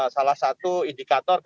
salah satu indikator